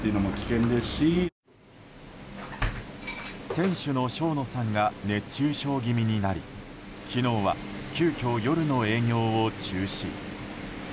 店主の庄野さんが熱中症気味になり昨日は急きょ夜の営業を中止。